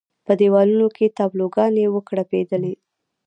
په دېوالونو کې تابلو ګانې وکړپېدلې.